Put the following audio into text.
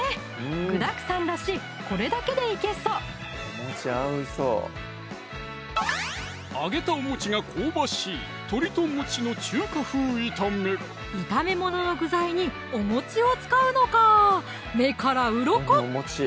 具だくさんだしこれだけでいけそう揚げたおが香ばしい炒め物の具材におを使うのか目からうろこ！